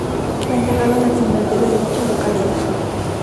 Fue enterrado en el cementerio de dicha localidad.